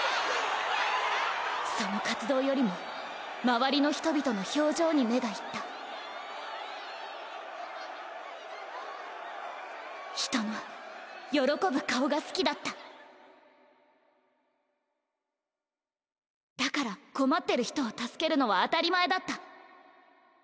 ・その活動よりも周りの人々の表情に目が行った人の喜ぶ顔が好きだっただから困ってる人を助けるのは当たり前だった。